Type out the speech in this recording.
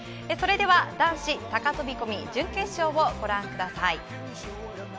それでは男子高飛込準決勝をご覧ください。